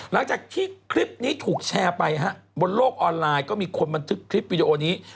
หลังจากที่คลิปนี้ถูกแชร์ไปฮะบนโลกออนไลน์ก็มีคนบันทึกคลิปวิดีโอนี้